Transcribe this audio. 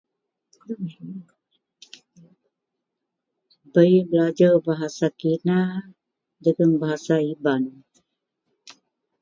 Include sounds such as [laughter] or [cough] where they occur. [noise] bei belajar bahasa kina jegum bahasa iban